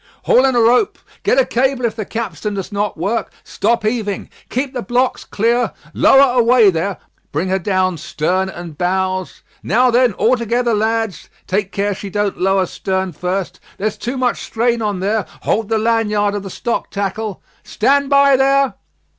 "Haul in a rope Get a cable if the capstan does not work Stop heaving Keep the blocks clear Lower away there Bring her down stern and bows Now then, all together, lads Take care she don't lower stern first There's too much strain on there Hold the laniard of the stock tackle Stand by there!"